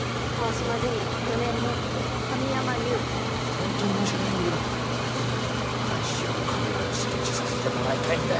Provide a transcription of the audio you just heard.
本当に申し訳ないんだけどここに監視用カメラを設置させてもらいたいんだよ。